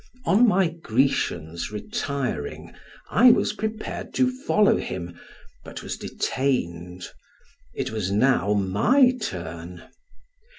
On my Grecian's retiring, I was prepared to follow him, but was detained: it was now my turn.